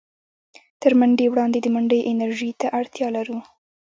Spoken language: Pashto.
تر منډې وړاندې د منډې انرژۍ ته اړتيا لرو.